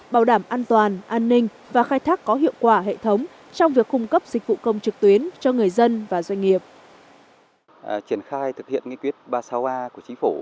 bảo đảm an toàn an ninh và khai thác có hiệu quả hệ thống trong việc cung cấp dịch vụ công trực tuyến cho người dân và doanh nghiệp